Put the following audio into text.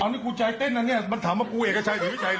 อ้าวนี่กูใจเต้นอ่ะเนี่ยมันถามว่ากูเอกชัยศิวิชัยเหรอ